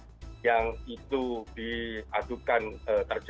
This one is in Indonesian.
apakah memang penyiksaan rendahkan martabat manusia dan sebagainya